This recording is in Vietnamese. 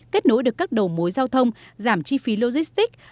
kết nối được các đầu mối giao thông giảm chi phí logistics